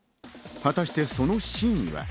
果たしてその真意は？